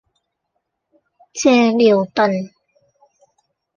借尿遁